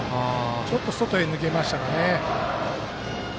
ちょっと外へ抜けましたかね。